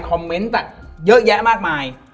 เมนต์เยอะแยะมากมาย